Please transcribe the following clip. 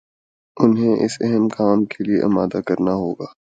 انہیں اس اہم کام کے لیے آمادہ کرنا ہو گا